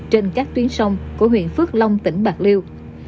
trên các tuyến sông của huyện phước long tỉnh bạc liêu